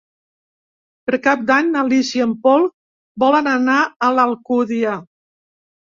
Per Cap d'Any na Lis i en Pol volen anar a l'Alcúdia.